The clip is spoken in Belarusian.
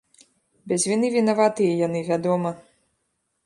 Без віны вінаватыя яны, вядома.